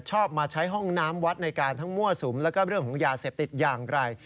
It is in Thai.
ชอบมาใช้ห้องน้ำวัดในการทั้งมั่วสุมแล้วก็เรื่องของยาเสพติดอย่างไร